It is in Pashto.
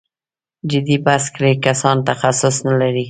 جدي بحث کړی کسان تخصص نه لري.